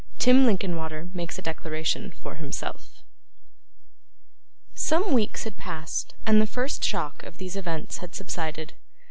Tim Linkinwater makes a Declaration for himself Some weeks had passed, and the first shock of these events had subsided.